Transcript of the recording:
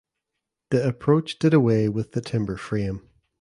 The approach did away with the timber frame.